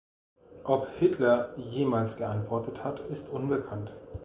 Ob Hitler jemals geantwortet hat, ist unbekannt.